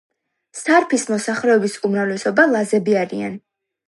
სარფის მოსახლეობის უმრავლესობა ლაზები არიან.